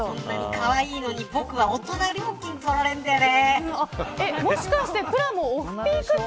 かわいいのに、僕は大人料金取られるんだよね。